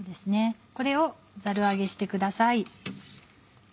これをザル上げしてください。